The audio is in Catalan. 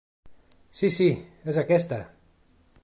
Sí sí és aquesta!